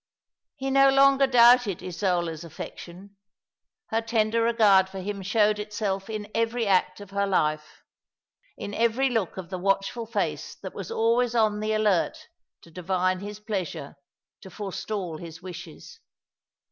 He no longer doubted Isola's affection. Her tender regard for him showed itself in every act of her life ; in every look of the watchful face that was always on tlio alert to divine his pleasure, to forestall his wishes.